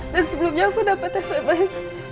dan sebelumnya aku dapat sms